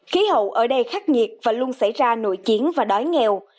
khí hậu ở đây khắc nghiệt và luôn xảy ra nội chiến và đói nghèo